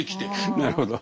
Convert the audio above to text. なるほど。